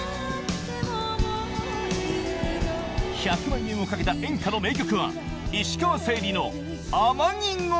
１００万円を懸けた「演歌」の名曲はいや難しいよ。